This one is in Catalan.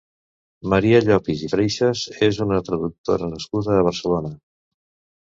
Maria Llopis i Freixas és una traductora nascuda a Barcelona.